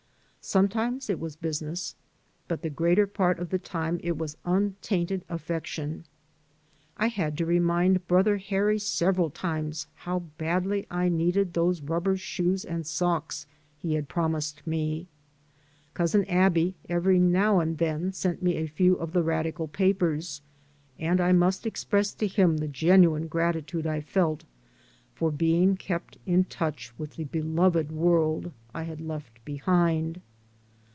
Sometimes it was business, but the greater part of the time it was untainted affec tion. I had to remind brother Harry several times how badly I needed those rubber shoes and socks he had promised me. Cousin Aby every now and then sent me a few of the radical papers, and I must express to him the genuine gratitude I felt for being kept in touch with the beloved world I had left behind.